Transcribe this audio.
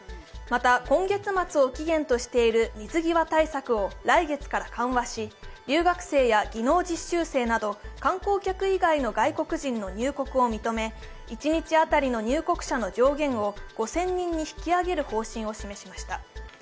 また、今月末を期限としている水際対策を来月から緩和し留学生や技能実習生など観光客以外の外国人の入国を認め一日当たりの入国者の上限を５０００人に引き上げる方針を示しました。